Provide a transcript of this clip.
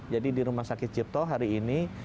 jadi di rumah sakit cipto hari ini